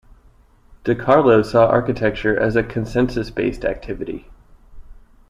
De Carlo saw architecture as a consensus-based activity.